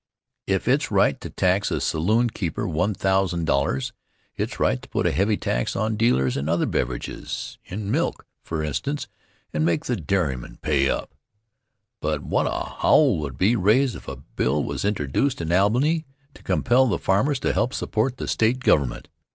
If it's right to tax a saloonkeeper $1000, it's right to put a heavy tax on dealers in other beverages in milk, for instance and make the dairymen pay up. But what a howl would be raised if a bill was introduced in Albany to compel the farmers to help support the State government!